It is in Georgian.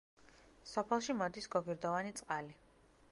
სოფელში მოდის გოგირდოვანი წყალი.